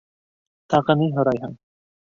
- Тағы ни һорайһың?